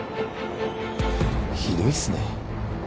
ひどいっすね。